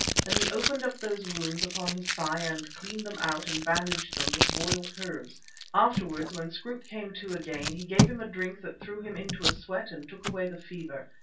Then he opened up those wounds upon his thigh and cleaned them out and bandaged them with boiled herbs. Afterwards, when Scroope came to again, he gave him a drink that threw him into a sweat and took away the fever.